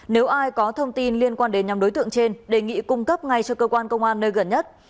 nếu ai có thông tin liên quan đến nhóm đối tượng trên đề nghị cung cấp ngay cho cơ quan công an nơi gần nhất